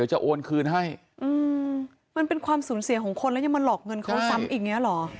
จะโอนคืนให้อืมมันเป็นความสูญเสียของคนแล้วยังมาหลอกเงินเขาซ้ำอีกอย่างเงี้เหรอ